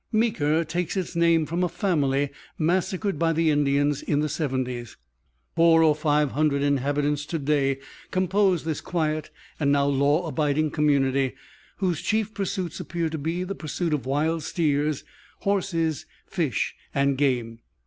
Meeker takes its name from a family, massacred by the Indians in the 70's. Four or five hundred inhabitants to day compose this quiet and now law abiding community, whose chief pursuits appear to be the pursuit of wild steers, horses, fish and game.